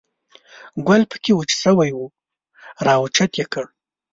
ګل په کې وچ شوی و، را اوچت یې کړ.